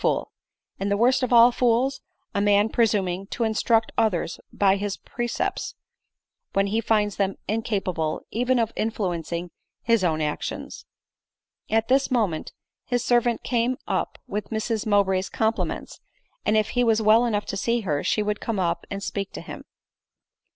fool, and the worst of all fools — a man presuming to instruct others by his precepts, when he finds them incapable even of influencing his own actions.' 9 At this moment his servant came up with Miss "Mow bray's compliments, and, if he was well enough to see her, she would come up and speak to him."